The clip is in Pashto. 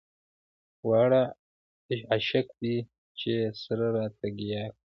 واړه عشق دی چې يې سر راته ګياه کړ.